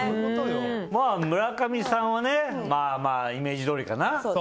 村上さんはまあまあイメージどおりかな。